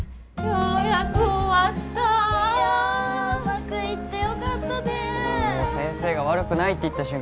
ようやく終わったうまくいってよかったね先生が「悪くない」って言った瞬間